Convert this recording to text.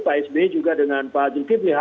pak sby juga dengan pak jilki